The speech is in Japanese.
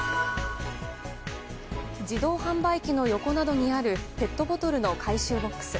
自動販売機の横などにあるペットボトルの回収ボックス。